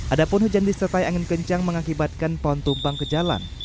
ada pun hujan disertai angin kencang mengakibatkan pohon tumpang ke jalan